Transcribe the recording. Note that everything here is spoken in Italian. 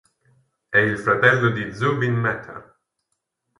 È il fratello di Zubin Mehta.